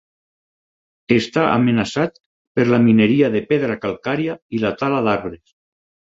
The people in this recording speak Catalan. Està amenaçat per la mineria de pedra calcària i la tala d'arbres.